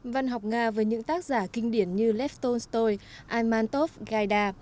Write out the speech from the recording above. văn học nga với những tác giả kinh điển như lev tolstoy imantov gaida